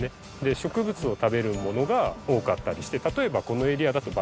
植物を食べるものが多かったりして例えばこのエリアだとバッタがいたりするんですけど。